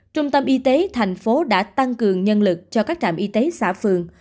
trung tâm y tế thành phố đã tăng cường nhân lực cho các trạm y tế xã phường